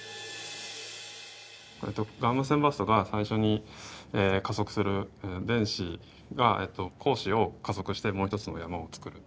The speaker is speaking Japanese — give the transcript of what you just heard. ガンマ線バーストが最初に加速する電子が光子を加速してもう一つの山を作る。